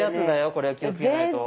これ気をつけないと。